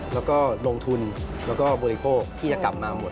แล้วก็ลงทุนแล้วก็บริโภคที่จะกลับมาหมด